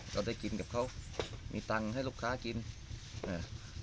เราได้กินกับเขามีตังค์ให้ลูกค้ากินอ่า